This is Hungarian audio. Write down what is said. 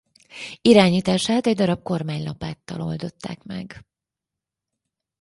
Irányítását egy darab kormánylapáttal oldották meg.